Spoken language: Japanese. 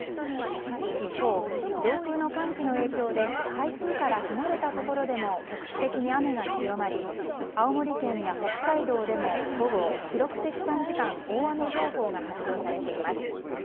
一方、上空の寒気の影響で台風から離れたところでも局地的に雨が強まり青森県や北海道でも午後、記録的短時間大雨情報が発表されています。